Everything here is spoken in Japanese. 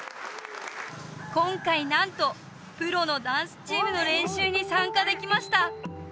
今回なんとプロのダンスチームの練習に参加できました